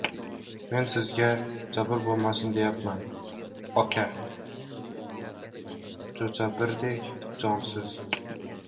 — Men sizga jabr bo‘lmasin, deyapman, oka, jo‘jabirdek jonsiz.